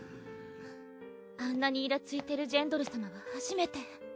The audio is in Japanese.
あんなにイラついてるジェンドル様は初めて。